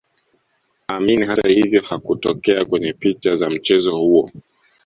Amin hatahivyo hakutokea kwenye picha za mchezo huo